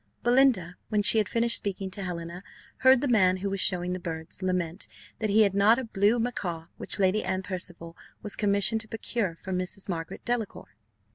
Belinda, when she had finished speaking to Helena, heard the man who was showing the birds, lament that he had not a blue macaw, which Lady Anne Percival was commissioned to procure for Mrs. Margaret Delacour.